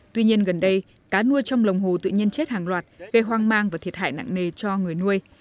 tuy nhiên gần đây cá nuôi trong lồng hồ tự nhiên chết hàng loạt gây hoang mang và thiệt hại nặng nề cho người nuôi